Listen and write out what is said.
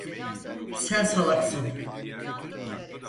Sen salaksın.